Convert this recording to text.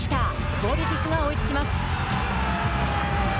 ヴォルティスが追いつきます。